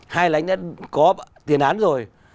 hai là anh đã có tiền án rồi